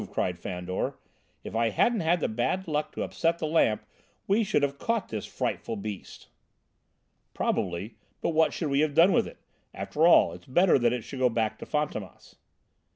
cried Fandor, "if I hadn't had the bad luck to upset the lamp, we should have caught this frightful beast." "Probably, but what should we have done with it? After all, it's better that it should go back to Fantômas."